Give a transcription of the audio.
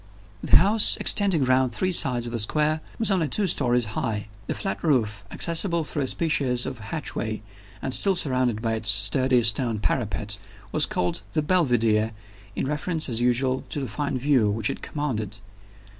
The house extending round three sides of a square was only two stories high. The flat roof, accessible through a species of hatchway, and still surrounded by its sturdy stone parapet, was called "The Belvidere," in reference as usual to the fine view which it commanded.